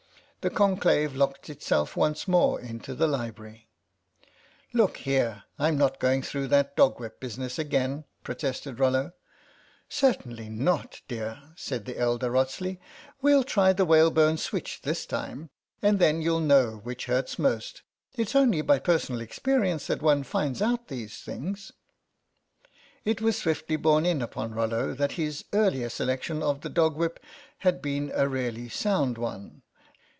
The conclave locked itself once more into the library. "Look here, Fm not going through that dog whip business again," protested Rollo. "Certainly not, dear," said the elder Wrotsley ;" we'll try the whalebone switch this time, and then you'll know which hurts most. It's only by personal experience that one finds out these things." It was swiftly borne in upon Rollo that his earlier selection of the dog whip had been a really sound one.